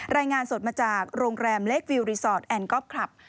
รายงานสดมาจากโรงแรมเล็กวิวรีสอร์ทแอนกอล์ฟคลับ